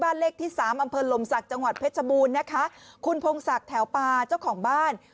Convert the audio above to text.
เลขที่สามอำเภอลมศักดิ์จังหวัดเพชรบูรณ์นะคะคุณพงศักดิ์แถวปาเจ้าของบ้าน